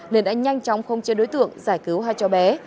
nên đã nhanh chóng khống chế đối tượng giải cứu hai trò bé